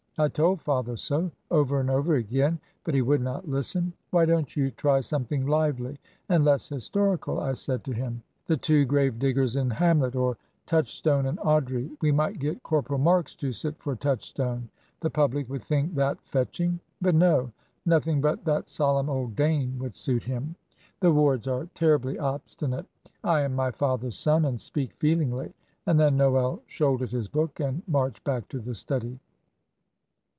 I told father so, over and over again, but he would not listen. 'Why don't you try something lively and less historical?' I said to him. '"The Two Grave diggers" in Hamlet, or "Touchstone and Audrey." We might get Corporal Marks to sit for "Touchstone" the public would think that fetching.' But no, nothing but that solemn old Dane would suit him the Wards are terribly obstinate. I am my father's son, and speak feelingly;" and then Noel shouldered his book and marched back to the study.